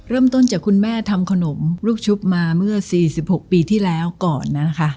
เริ่มต้นจากคุณแม่ทำขนมลูกชุบมาเมื่อ๔๖ปีที่แล้วก่อนนะคะ